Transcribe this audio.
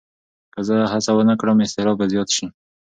که زه هڅه ونه کړم، اضطراب به زیات شي.